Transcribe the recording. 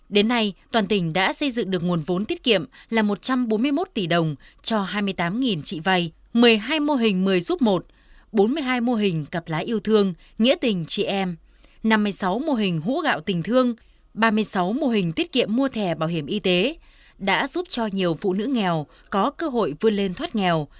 đến nay toàn tỉnh đã xây dựng được nguồn vốn tiết kiệm là một trăm bốn mươi một tỷ đồng cho hai mươi tám chị vay một mươi hai mô hình một mươi giúp một bốn mươi hai mô hình cặp lá yêu thương nghĩa tình chị em năm mươi sáu mô hình hũ gạo tình thương ba mươi sáu mô hình tiết kiệm mua thẻ bảo hiểm y tế đã giúp cho nhiều phụ nữ nghèo có cơ hội vươn lên thoát nghèo